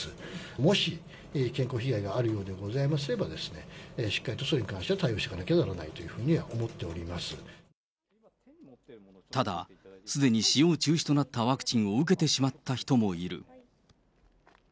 もし健康被害があるようでございますれば、しっかりとそれに関しては対応していかなければならないというふただ、すでに使用中止となったワクチンを受けてしまった人もいる。